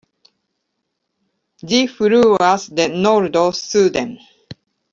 Ĝi fluas de nordo suden.